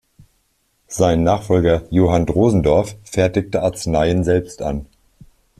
Sein Nachfolger, Johann Drosendorf, fertigte Arzneien selbst an.